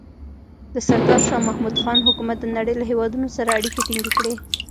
د سردار شاه محمود خان حکومت د نړۍ له هېوادونو سره اړیکې ټینګې کړې.